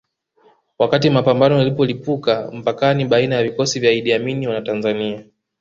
Wakati mapambano yalipolipuka mpakani baina ya vikosi vya Idi Amini na Tanzania